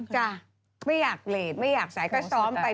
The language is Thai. จ้ะไม่อยากเบรดไม่อยากสายก็ซ้อมไป